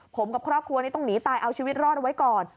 ผมกับครอบครัวนี้ต้องหนีตายเอาชีวิตรอดไว้ก่อน